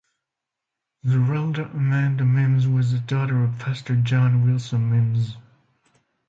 Zerelda Amanda Mimms was the daughter of Pastor John Wilson Mimms.